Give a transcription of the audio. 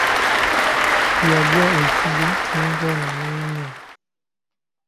Yagwa ekigwo n'enkoona nenywa.